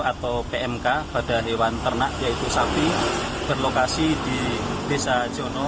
atau pmk pada hewan ternak yaitu sapi berlokasi di desa jono